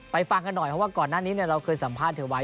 ฟังกันหน่อยเพราะว่าก่อนหน้านี้เราเคยสัมภาษณ์เธอไว้